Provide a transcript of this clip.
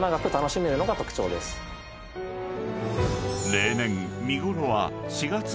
［例年］